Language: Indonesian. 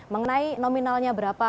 mengenai nominalnya berapa